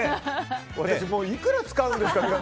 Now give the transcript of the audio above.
私いくら使うんですか。